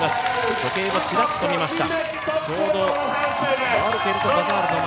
時計をちらっと見ました。